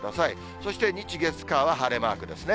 そして日、月、火は晴れマークですね。